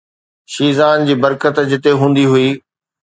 شيزان جي برڪت جتي هوندي هئي.